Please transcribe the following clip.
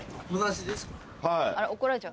はい。